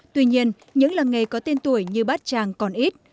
tuy nhiên những làng nghề có tên tuổi như bát tràng còn ít